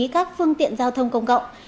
các phương tiện giao thông công cộng